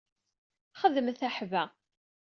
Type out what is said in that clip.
Xedmet aḥba.